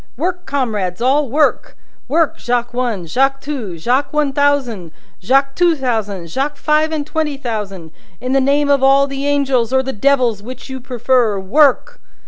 "Work, comrades all, work! Work, Jacques One, Jacques Two, Jacques One Thousand, Jacques Two Thousand, Jacques Five and Twenty Thousand; in the name of all the Angels or the Devils which you prefer work!"